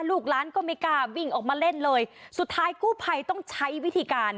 ลูกล้านก็ไม่กล้าวิ่งออกมาเล่นเลยสุดท้ายกู้ภัยต้องใช้วิธีการ